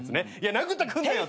殴ってくんなよって。